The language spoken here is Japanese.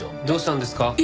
どうしたんですか？